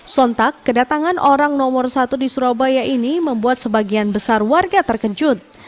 sontak kedatangan orang nomor satu di surabaya ini membuat sebagian besar warga terkejut